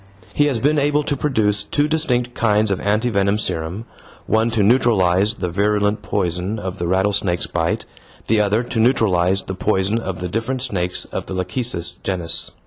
He has been able to produce two distinct kinds of anti venom serum, one to neutralize the virulent poison of the rattlesnake's bite, the other to neutralize the poison of the different snakes of the lachecis genus.